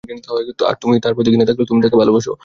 আর তুমি, তার প্রতি ঘৃণা থাকলেও তুমি তাকে ভালোবাসো।